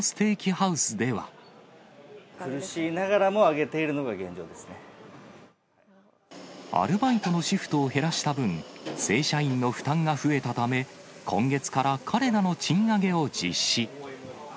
苦しいながらも上げているのアルバイトのシフトを減らした分、正社員の負担が増えたため、今月から彼らの賃上げを実施。